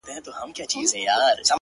زما د خيال د فلسفې شاعره ،